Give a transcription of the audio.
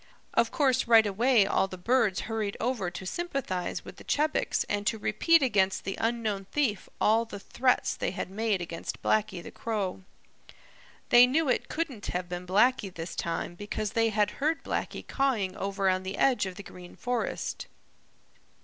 Of course right away all the birds hurried over to sympathize with the Chebecs and to repeat against the unknown thief all the threats they had made against Blacky the Crow. They knew it couldn't have been Blacky this time because they had heard Blacky cawing over on the edge of the Green Forest.